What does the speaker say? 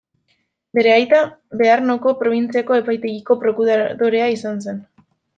Bere aita Bearnoko probintziako epaitegiko prokuradorea zen.